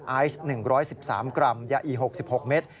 ไอซ์๑๑๓กรัมยาอี๖๖เมตร